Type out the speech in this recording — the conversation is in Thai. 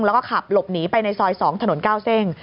แล้วก็ขับหลบหนีไปในซอย๒ถนน๙เส้น